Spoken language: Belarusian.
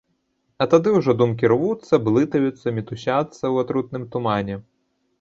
А тады ўжо думкі рвуцца, блытаюцца, мітусяцца ў атрутным тумане.